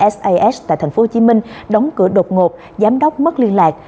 sas tại thành phố hồ chí minh đóng cửa đột ngột giám đốc mất liên lạc